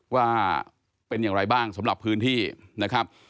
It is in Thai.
ว่าเป็นอย่างไรบ้างสำหรับพื้นที่นะครับ